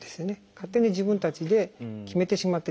勝手に自分たちで決めてしまってですね